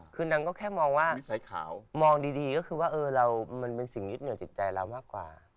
คือนางก็แค่มองว่ามองดีก็คือว่ามันเป็นสิ่งยึดเหนียวจิตใจเรามากกว่า